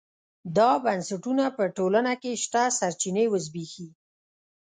دا بنسټونه په ټولنه کې شته سرچینې وزبېښي.